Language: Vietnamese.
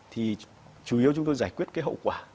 thì chủ yếu chúng tôi giải quyết cái hậu quả